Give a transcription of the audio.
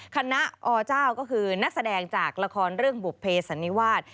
คณะอเจ้าก็คือนักแสดงจากละครเรื่องบุภเพสันนิวาส